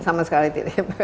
sama sekali tidak